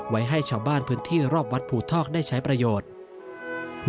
ไว้ให้ชาวบ้านพื้นที่รอบวัดภูทอกได้ใช้ประโยชน์